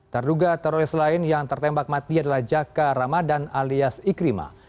terduga teroris lain yang tertembak mati adalah jaka ramadan alias ikrimah